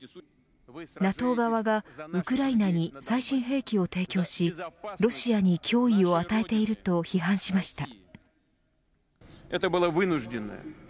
ＮＡＴＯ側がウクライナに最新兵器を提供しロシアに脅威を与えていると批判しました。